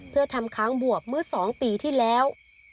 เพื่อทำค้างบวกเมื่อ๒ปีที่แล้ว